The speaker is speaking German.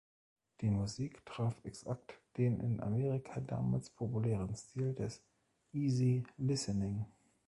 Die Musik traf exakt den in Amerika damals populären Stil des „easy listening“.